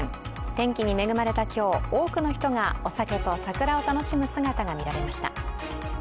天気に恵まれた今日多くの人がお酒と桜を楽しむ姿が見られました。